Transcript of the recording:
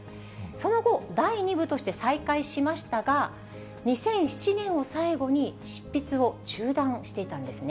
その後、第２部として再開しましたが、２００７年を最後に執筆を中断していたんですね。